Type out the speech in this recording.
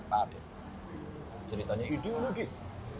padahal ceritanya ideologis